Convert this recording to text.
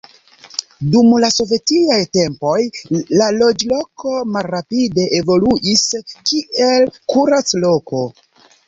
Dum la sovetiaj tempoj la loĝloko malrapide evoluis kiel kurac-loko.